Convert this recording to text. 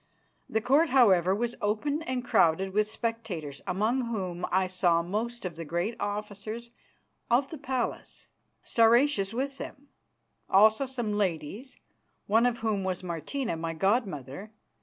The Court, however, was open and crowded with spectators, among whom I saw most of the great officers of the palace, Stauracius with them; also some ladies, one of whom was Martina, my god mother.